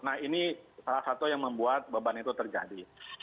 nah ini salah satu yang membuat beban itu terjadi